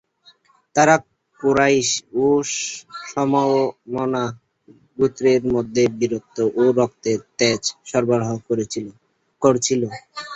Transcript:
তারা কুরাইশ ও সমমনা গোত্রের মধ্যে বীরত্ব ও রক্তে ত্যাজ সরবরাহ করছিল।